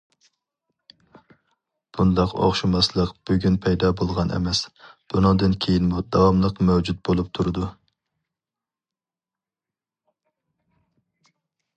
بۇنداق ئوخشىماسلىق بۈگۈن پەيدا بولغان ئەمەس، بۇنىڭدىن كېيىنمۇ داۋاملىق مەۋجۇت بولۇپ تۇرىدۇ.